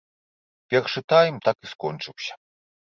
Першы тайм так і скончыўся.